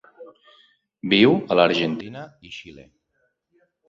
Viu a l'Argentina i Xile.